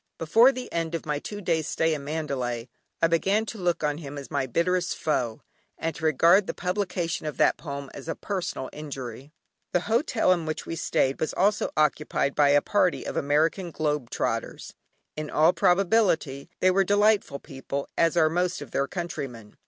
Before the end of my two days stay in Mandalay I began to look on him as my bitterest foe, and to regard the publication of that poem as a personal injury. The Hotel in which we stayed was also occupied by a party of American "Globe Trotters." In all probability they were delightful people, as are most of their countrymen.